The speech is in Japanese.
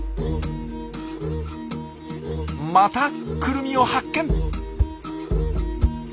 またクルミを発見。